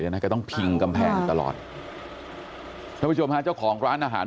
นะก็ต้องพิงกำแพงอยู่ตลอดท่านผู้ชมฮะเจ้าของร้านอาหาร